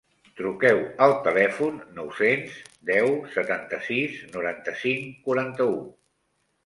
Truqueu al telèfon nou-cents deu setanta-sis noranta-cinc quaranta-u